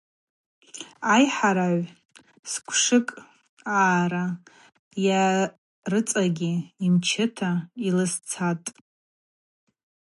Айхӏарагӏв сквшыкӏ аъара йа рыцӏагьи ймачӏта йлызцатӏ.